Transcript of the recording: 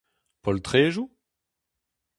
Poltredoù ?